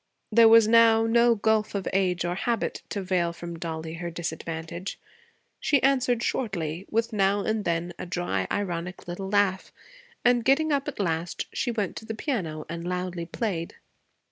There was now no gulf of age or habit to veil from Dollie her disadvantage. She answered shortly, with now and then a dry, ironic little laugh; and, getting up at last, she went to the piano and loudly played.